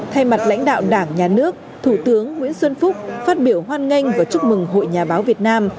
thay mặt lãnh đạo đảng nhà nước thủ tướng nguyễn xuân phúc phát biểu hoan nghênh và chúc mừng hội nhà báo việt nam